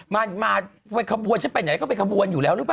มาไปขบวนฉันเป็นอย่างไรก็ไปขบวนอยู่แล้วรู้ปะ